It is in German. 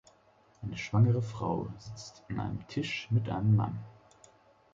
Eine schwangere Frau sitzt an einem Tisch mit einem Mann.